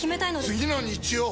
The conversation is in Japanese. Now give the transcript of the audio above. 次の日曜！